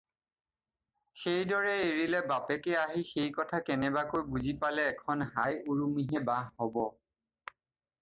সেইদৰে এৰিলে, বাপেকে আহি সেইকথা কেনেবাকৈ বুজি পালে এখন হাই উৰুমিহে বাহ হ'ব।